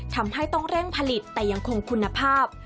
ทำให้ต้องเร่งผลิตแต่ยังคงคุณภาพ